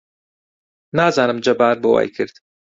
نازانم جەبار بۆ وای کرد.